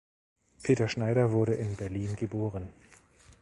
Peter Schneider wurde in Berlin geboren.